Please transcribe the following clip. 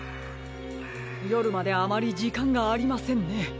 よるまであまりじかんがありませんね。